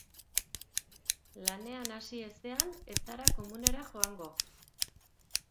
Lanean hasi ezean, ez zara komunera joango.